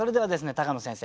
高野先生